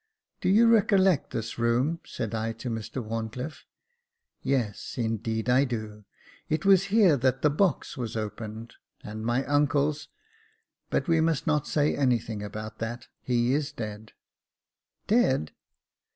"Do you recollect this room.''" said I to Mr WharncliiFe. " Yes, indeed I do ; it was here that the box was opened, and my uncle's But we must not say anything about that : he is dead." " Dead